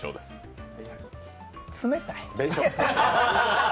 冷たい。